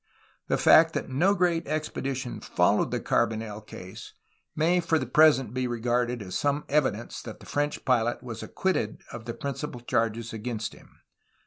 The fact that no great expedi tion followed the Carbonel case may for the present be re garded as some evidence that the French pilot was ac quitted of the principal charge against him.